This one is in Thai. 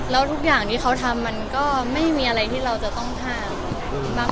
แล้วทุกอย่างที่เขาทำมันก็ไม่มีอะไรที่เราจะต้องห้าม